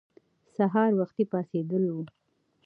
سهار وختي پاڅېدلي وو.